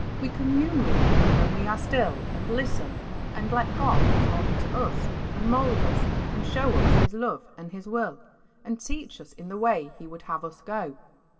We commune with Him when we are still and listen, and let God talk to us, and mould us, and show us His love and His will, and teach us in the way He would have us go.